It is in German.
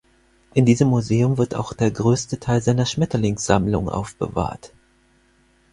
In diesem Museum wird auch der größte Teil seiner Schmetterlingssammlung aufbewahrt.